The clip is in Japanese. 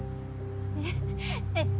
えっえっ？